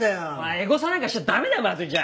エゴサなんかしちゃダメだよまつりちゃん。